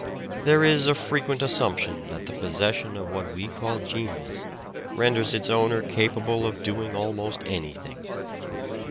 There is a frequent assumption that the possession of what we call genius renders its owner capable of doing almost anything.